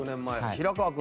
平川君